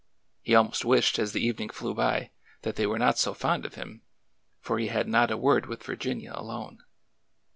He almost wished, as the evening flew by, that they were not so fond of him, for he had not a word with Virginia alone.